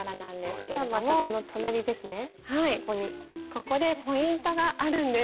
ここでポイントがあるんです。